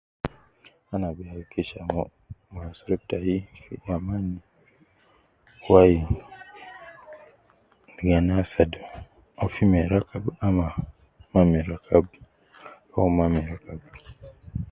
Ana bi hakikisha mo, moyo asurub tai fi amani, wai ligo ana asadu uwo fi me rakab ama ma me rakab, au ma me rakab